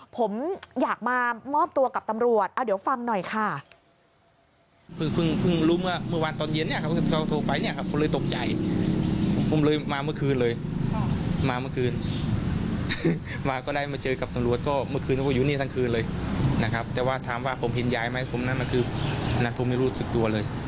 ผมอยากมามอบตัวกับตำรวจเอาเดี๋ยวฟังหน่อยค่ะ